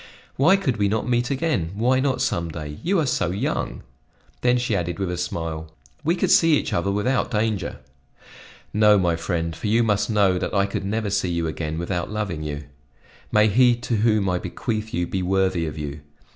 "Why could we not meet again? Why not some day you are so young!" Then she added with a smile: "We could see each other without danger." "No, my friend, for you must know that I could never see you again without loving you. May he to whom I bequeath you be worthy of you!